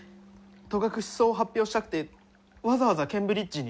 戸隠草を発表したくてわざわざケンブリッジに？